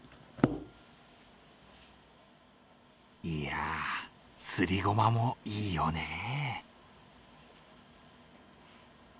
いや、すりごまもいいよね。